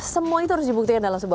semua itu harus dibuktikan dalam sebuah